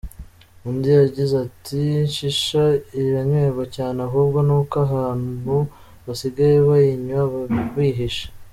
Undi yagize ati “Shisha iranywebwa cyane ahubwo n’uko abantu basigaye bayinywa bihishe.”